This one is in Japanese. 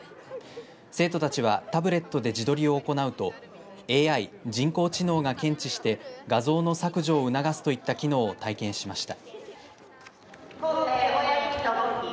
生徒たちはタブレットで自撮りを行うとＡＩ、人工知能が検知して画像の削除を促すといった機能を体験しました。